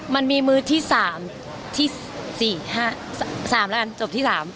มันมีมื้อที่๓ที่๔๕๓แล้วกันจบที่๓